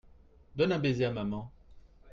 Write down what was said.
donne un baiser à mamam.